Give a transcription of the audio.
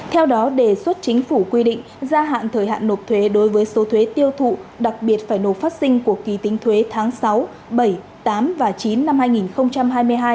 theo đó đề xuất chính phủ quy định gia hạn thời hạn nộp thuế đối với số thuế tiêu thụ đặc biệt phải nộp phát sinh của kỳ tính thuế tháng sáu bảy tám và chín năm hai nghìn hai mươi hai